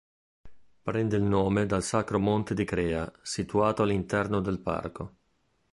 Prende il nome dal Sacro Monte di Crea, situato all'interno del parco.